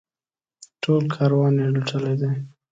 ټول کاروان یې لوټلی دی.